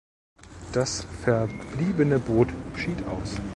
Das verbliebene Boot schied aus.